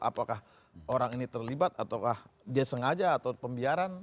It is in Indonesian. apakah orang ini terlibat ataukah dia sengaja atau pembiaran